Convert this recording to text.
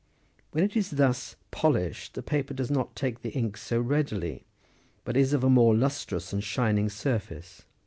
"When it is thus polished the paper does not take the ink so readily, but is of a more lustrous and shining surface.